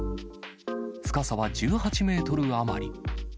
深さは１８メートル余り。